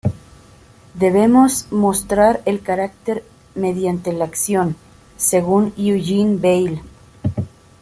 Debemos mostrar el carácter mediante la acción"", según Eugene Vale.